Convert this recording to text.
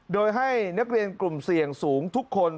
โดยให้นักเรียนกลุ่มเสี่ยงสูงทุกคน